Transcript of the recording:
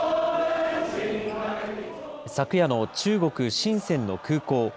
昨夜の中国・深センの空港。